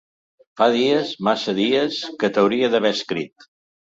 Fa dies, massa dies, que t’hauria d’haver escrit.